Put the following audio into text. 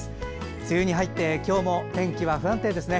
梅雨に入って今日も天気は不安定ですね。